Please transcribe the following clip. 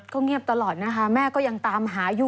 ก็เงียบตลอดนะคะแม่ก็ยังตามหาอยู่